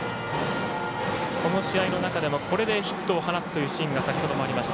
この試合の中でも、これでヒットを放つというシーンも先ほどもありました